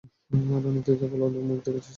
রনি, তুই কেবল ওর মুখ দেখছিস।